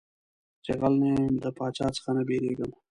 چي غل نه يم د باچا څه نه بيرېږم.